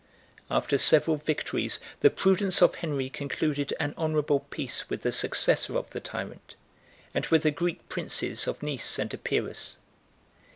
33 After several victories, the prudence of Henry concluded an honorable peace with the successor of the tyrant, and with the Greek princes of Nice and Epirus.